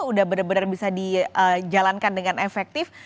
udah benar benar bisa dijalankan dengan efektif